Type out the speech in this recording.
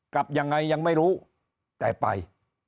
กลับยังไงยังไม่รู้แต่ไป